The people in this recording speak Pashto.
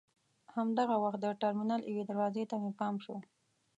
همدغه وخت د ټرمینل یوې دروازې ته مې پام شو.